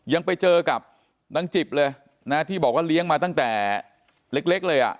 ยังไปเจอกับนางจิบเลยนะที่บอกว่าเลี้ยงมาตั้งแต่เล็กเลยอ่ะ